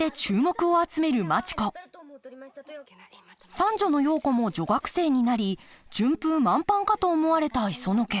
三女のヨウ子も女学生になり順風満帆かと思われた磯野家。